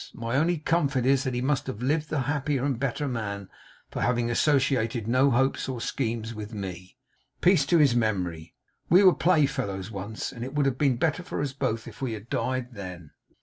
My only comfort is that he must have lived the happier and better man for having associated no hopes or schemes with me. Peace to his memory! We were play fellows once; and it would have been better for us both if we had died then.